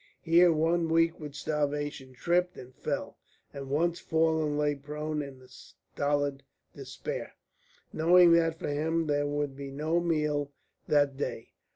Here one weak with starvation tripped and fell, and once fallen lay prone in a stolid despair, knowing that for him there would be no meal that day.